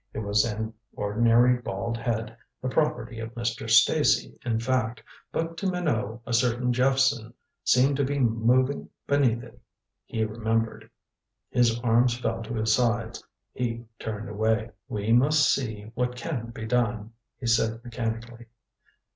It was an ordinary bald head, the property of Mr. Stacy in fact, but to Minot a certain Jephson seemed to be moving beneath it He remembered. His arms fell to his sides. He turned away. "We must see what can be done," he said mechanically.